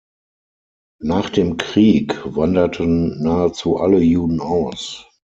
Nach dem Krieg wanderten nahezu alle Juden aus.